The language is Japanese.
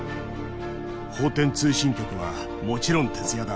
奉天通信局はもちろん徹夜だ。